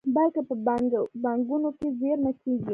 بلکې په بانکونو کې زېرمه کیږي.